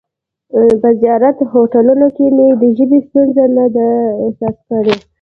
په زیاترو هوټلونو کې مې د ژبې ستونزه نه ده احساس کړې.